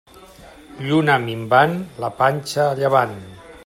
Lluna minvant, la panxa a llevant.